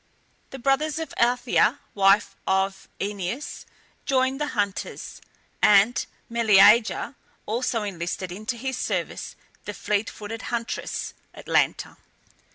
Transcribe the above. The brothers of Althea, wife of Oeneus, joined the hunters, and Meleager also enlisted into his service the fleet footed huntress Atalanta.